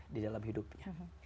di dalam hidupnya